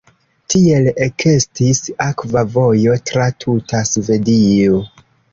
Tiel ekestis akva vojo tra tuta Svedio.